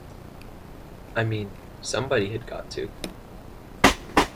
I mean, somebody had got to.